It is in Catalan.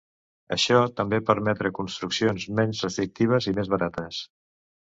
Això també permetre construccions menys restrictives i més barates.